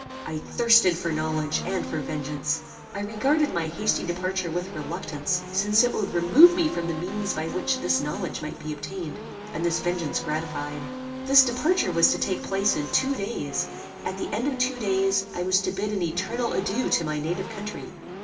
I thirsted for knowledge and for vengeance. I regarded my hasty departure with reluctance, since it would remove me from the means by which this knowledge might be obtained, and this vengeance gratified. This departure was to take place in two days. At the end of two days I was to bid an eternal adieu to my native country.